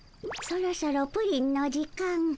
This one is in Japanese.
そろそろプリンの時間。